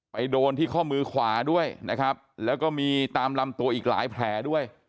โดนที่ข้อมือขวาด้วยนะครับแล้วก็มีตามลำตัวอีกหลายแผลด้วย